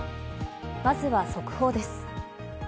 まずは速報です。